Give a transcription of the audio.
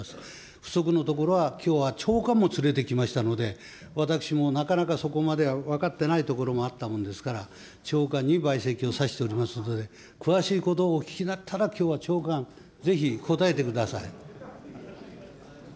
不足のところはきょうは長官も連れてきましたので、私もなかなかそこまでは分かってないところがあったもんですから、長官に陪席をさせておりますので、詳しいことをお聞きになったら、きょうは長官、ぜひ答えてください。